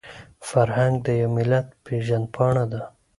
فرهنګ د يو ملت پېژندپاڼه ده.